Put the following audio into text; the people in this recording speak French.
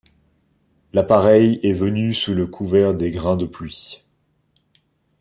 L'appareil est venu sous le couvert de grains de pluie.